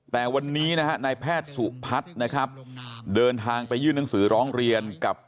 แต่วันนี้นะฮะนายแพทย์สุพัฒน์นะครับเดินทางไปยื่นหนังสือร้องเรียนกับ